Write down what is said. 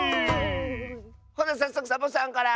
ほなさっそくサボさんから！